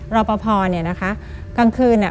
รอปภเนี่ยนะคะ